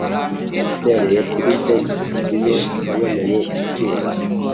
Mpereye kuri Nzeri Ni yo yayaboneye izuba